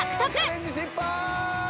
チャレンジ失敗！